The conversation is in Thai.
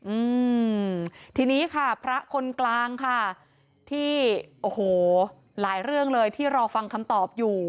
อืมทีนี้ค่ะพระคนกลางค่ะที่โอ้โหหลายเรื่องเลยที่รอฟังคำตอบอยู่